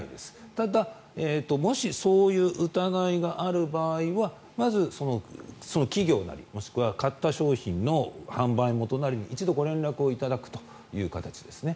ただ、もしそういう疑いがある場合はまず、企業なり、もしくは買った商品の販売元なりに一度ご連絡をいただくという形です。